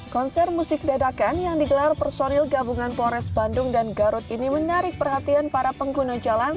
konser musik dadakan yang digelar personil gabungan polres bandung dan garut ini menarik perhatian para pengguna jalan